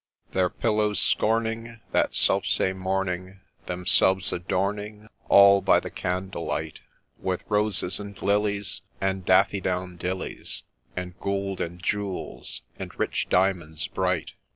Their pillows scorning, that self same morning Themselves adorning, all by the candle light, With roses and lilies, and daffy down dillies, And gould and jewels, and rich di'mouds bright.